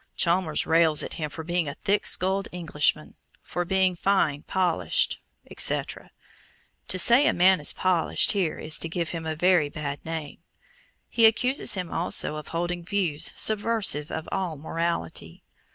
Chalmers rails at him for being "a thick skulled Englishman," for being "fine, polished," etc. To say a man is "polished" here is to give him a very bad name. He accuses him also of holding views subversive of all morality.